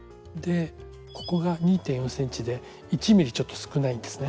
ここが２．４ｃｍで１ｍｍちょっと少ないんですね。